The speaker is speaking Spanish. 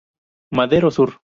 Madero Sur.